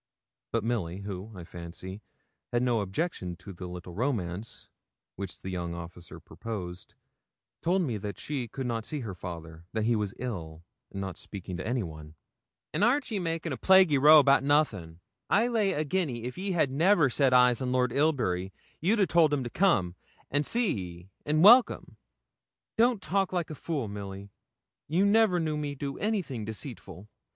But Milly, who, I fancy, had no objection to the little romance which the young officer proposed, told me that she could not see her father, that he was ill, and not speaking to anyone. 'And arn't ye making a plaguy row about nothin'? I lay a guinea if ye had never set eyes on Lord Ilbury you'd a told him to come, and see ye, an' welcome.' 'Don't talk like a fool, Milly. You never knew me do anything deceitful.